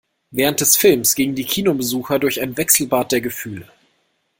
Während des Films gingen die Kinobesucher durch ein Wechselbad der Gefühle.